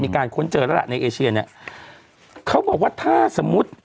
เขาบอกว่าถ้าสมมุติ